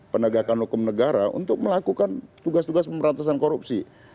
penegakan hukum negara untuk melakukan tugas tugas pemberantasan korupsi